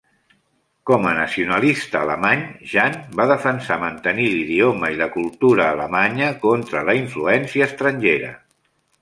Com a nacionalista alemany, Jahn va defensar mantenir l'idioma i la cultura alemanya contra la influència estrangera.